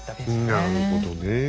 なるほどねえ。